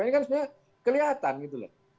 ini kan sebenarnya kelihatan gitu loh